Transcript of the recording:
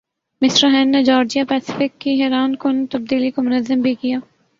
mister Hahn نے Georgia Pacific کی حیرانکن تبدیلی کو منظم بھِی کِیا